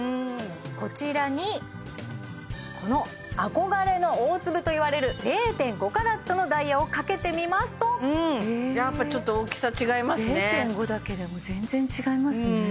こちらにこの憧れの大粒といわれる０．５ｃｔのダイヤをかけてみますとうんやっぱちょっと大きさ違いますね０．５だけでも全然違いますね